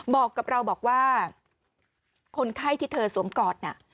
บอกกับเราบอกว่าคนไข้ที่เธอสวมกอดน่ะ